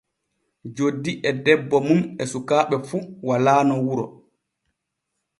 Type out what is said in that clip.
Joddi e debbo mum e sukaaɓe fu walaano wuro.